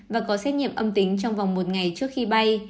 và có xét nghiệm âm tính trong vòng một ngày trước khi bay